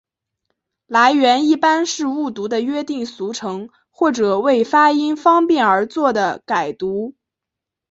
来源一般是误读的约定俗成或者为发音方便而作的改读。